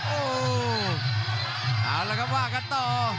โอ้โหเอาละครับว่ากันต่อ